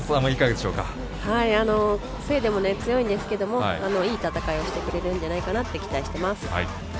スウェーデンも強いんですけどいい戦いをしてくれるんじゃないかなって期待しています。